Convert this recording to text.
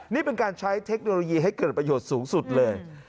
นี่เป็นการใช้เทคโนโลยีให้เกิดประโยชน์สูงสุดเลย